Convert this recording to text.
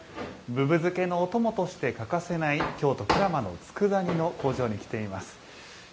ぶぶ漬けのお供として欠かせない、京都・鞍馬のつくだ煮の工場に来ています。